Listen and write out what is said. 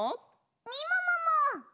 みももも。